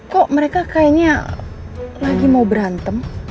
kok mereka kayaknya lagi mau berantem